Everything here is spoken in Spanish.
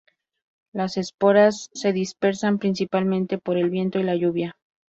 Las esporas se dispersan principalmente por el viento y la lluvia.